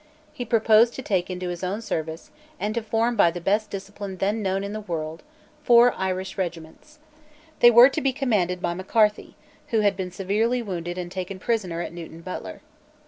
He proposed to take into his own service, and to form by the best discipline then known in the world, four Irish regiments. They were to be commanded by Macarthy, who had been severely wounded and taken prisoner at Newton Butler.